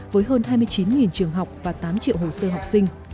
với hơn hai mươi chín trường học và tám triệu hồ sơ học sinh